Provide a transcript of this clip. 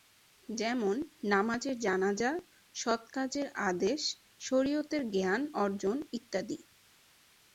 যেমন: নামাজের জানাজা, সৎ কাজের আদেশ, শরিয়তের জ্ঞান অর্জন ইত্যাদি।